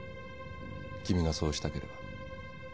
君がそうしたければ〕